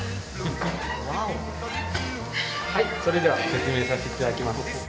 それでは説明させていただきます。